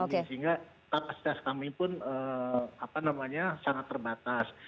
sehingga kapasitas kami pun apa namanya sangat terbatas